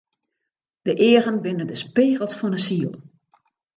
De eagen binne de spegels fan 'e siel.